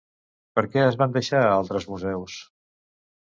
Per què es van deixar a altres museus?